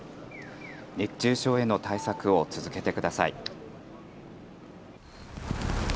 熱中症への対策を続けてください。